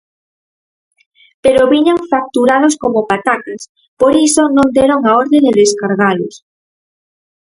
pero viñan facturados como patacas, por iso non deron a orde de descargalos.